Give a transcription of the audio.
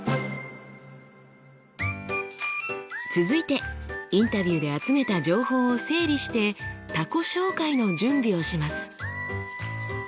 続いてインタビューで集めた情報を整理して他己紹介の準備をします。